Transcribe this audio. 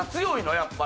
やっぱり。